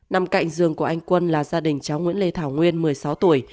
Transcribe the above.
nằm cạnh giường của anh quân là gia đình cháu nguyễn lê thảo nguyên một mươi sáu tuổi